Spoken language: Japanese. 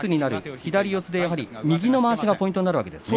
左四つで右のまわしがポイントにそうですね。